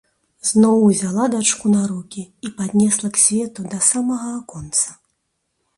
Зноў узяла дачку на рукі і паднесла к свету да самага аконца.